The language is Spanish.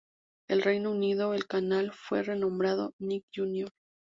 En Reino Unido el canal fue re-nombrado "Nick Jr.